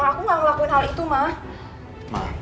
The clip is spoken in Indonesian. aku gak ngelakuin hal itu mah